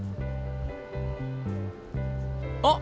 あっ